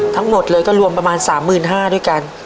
ทั้งหมดเลยก็รวมประมาณสามหมื่นห้าด้วยกัน